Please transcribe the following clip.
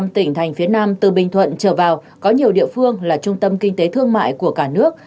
một mươi tỉnh thành phía nam từ bình thuận trở vào có nhiều địa phương là trung tâm kinh tế thương mại của cả nước